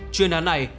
chuyên án này